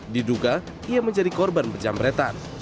diduga ia menjadi korban berjamretan